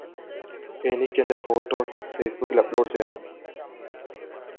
എനിക്കെന്റെ ഫോട്ടോസ് ഫേസ്ബുക്കിൽ അപ്ലോഡ് ചെയ്യണം